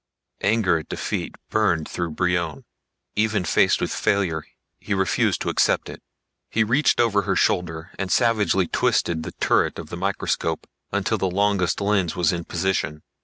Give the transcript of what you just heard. Anger at defeat burned through Brion. Even faced with failure, he refused to accept it. He reached over her shoulder and savagely twisted the turret of microscope until the longest lens was in position.